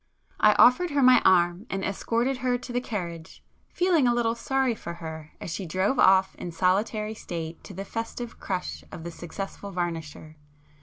I offered her my arm, and escorted her to the carriage, feeling a little sorry for her as she drove off in solitary state to the festive 'crush' of the successful varnisher.